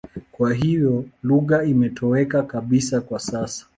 Kwa hiyo lugha imetoweka kabisa kwa sasa.